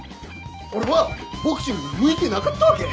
俺はボクシングに向いてなかったわけ。